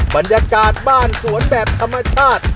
บรรยากาศบ้านสวนแบบธรรมชาติ